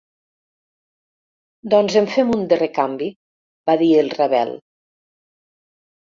Doncs en fem un de recanvi —va dir el Ravel—.